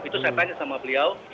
itu saya tanya sama beliau